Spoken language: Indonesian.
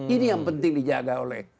ini yang penting dijaga oleh